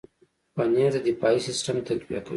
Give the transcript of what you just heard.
پنېر د دفاعي سیستم تقویه کوي.